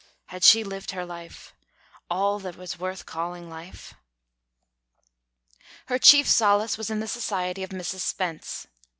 Had she lived her life all that was worth calling life? Her chief solace was in the society of Mrs. Spence.